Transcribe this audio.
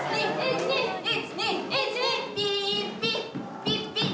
ピーッピッ！